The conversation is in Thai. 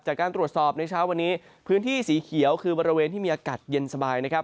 จากการตรวจสอบในเช้าวันนี้พื้นที่สีเขียวคือบริเวณที่มีอากาศเย็นสบายนะครับ